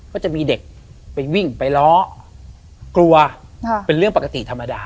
ก็จะมีเด็กไปวิ่งไปล้อกลัวเป็นเรื่องปกติธรรมดา